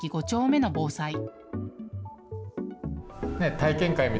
５丁目の防災。